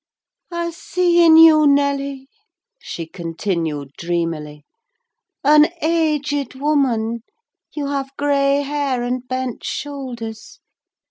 "I see in you, Nelly," she continued dreamily, "an aged woman: you have grey hair and bent shoulders.